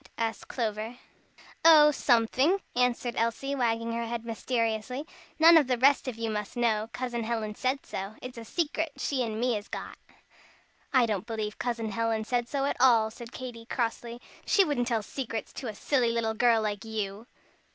asked Clover. "Oh, somefing," answered Elsie, wagging her head mysteriously. "None of the rest of you must know, Cousin Helen said so, it's a secret she and me has got." "I don't believe Cousin Helen said so at all," said Katy, crossly. "She wouldn't tell secrets to a silly little girl like you."